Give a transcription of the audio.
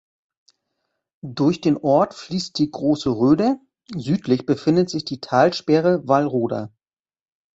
Durch den Ort fließt die Große Röder, südlich befindet sich die Talsperre Wallroda.